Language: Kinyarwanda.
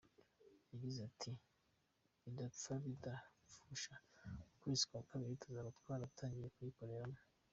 Yagize ati ” Bidapfa bidapfusha mu kwezi kwa Kabiri tuzaba twatangiye kuyikoreramo.